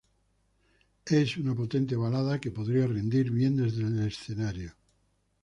Es una potente balada que podría rendir bien desde el escenario.